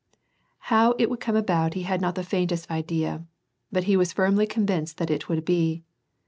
How it would come about he had not the faintest idea, bat lie was firmly convinced that it would be.